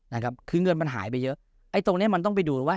นะครับคือเงินมันหายไปเยอะไอ้ตรงเนี้ยมันต้องไปดูว่า